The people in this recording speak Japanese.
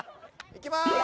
いきます